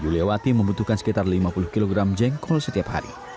yuliawati membutuhkan sekitar lima puluh kg jengkol setiap hari